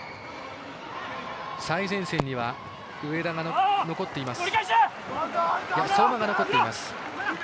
最前線には相馬が残っています。